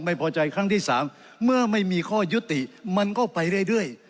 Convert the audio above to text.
ครั้งที่สามเมื่อไม่มีข้อยุติมันก็ไปเรื่อย